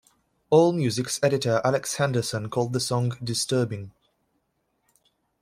AllMusic's editor Alex Henderson called the song "disturbing".